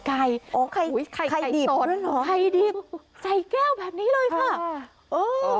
อ๋อไข่ไข่ดิบด้วยหรอไข่ดิบใส่แก้วแบบนี้เลยค่ะเออ